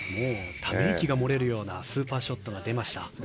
ため息が漏れるようなスーパーショットが出ました。